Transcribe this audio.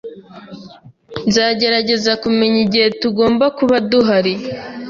Nzagerageza kumenya igihe tugomba kuba duhari